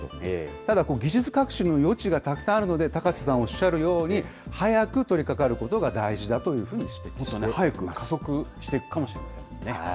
ただ、技術革新の余地がたくさんあるので、高瀬さんおっしゃるように、早く取りかかることが大事早く加速していくかもしれま